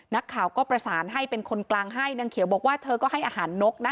นักข่าวก็ประสานให้เป็นคนกลางให้นางเขียวบอกว่าเธอก็ให้อาหารนกนะ